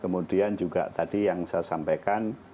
kemudian juga tadi yang saya sampaikan